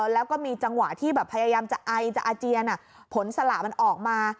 แล้วก็มีจังหวะที่แบบพยายามจะไอจะอาเจียนผลสละมันออกมา